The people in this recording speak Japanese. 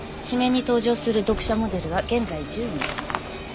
紙面に登場する読者モデルは現在１０名。